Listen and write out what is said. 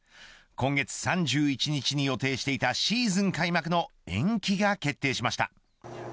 今月３１日に予定していたシーズン開幕の延期が決定しました。